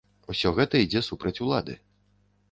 Усё гэта ідзе супраць улады.